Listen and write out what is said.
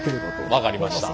分かりました。